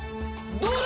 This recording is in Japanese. どうだ